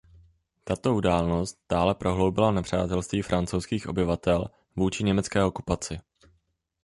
Tato událost dále prohloubila nepřátelství francouzských obyvatel vůči německé okupaci.